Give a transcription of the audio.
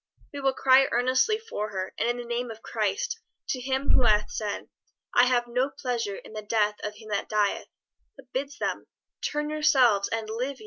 We will cry earnestly for her, and in the name of Christ, to Him who hath said, 'I have no pleasure in the death of him that dieth,' but bids them 'Turn yourselves and live ye.'"